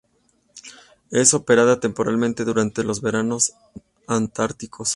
Es operada temporalmente durante los veranos antárticos.